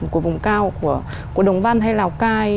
của vùng cao của đồng văn hay lào cai